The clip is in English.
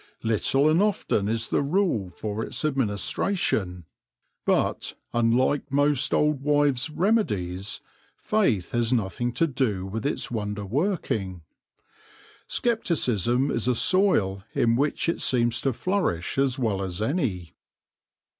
Little and often is the rule for its administra tion, but, unlike most old wife's remedies, faith has nothing to do with its wonder working. Scepticism is a soil in which it seems to flourish as well as any.